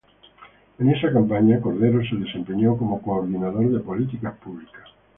En esta campaña, Cordero se desempeñó como Coordinador de Políticas Públicas.